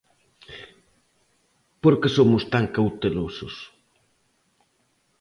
Por que somos tan cautelosos?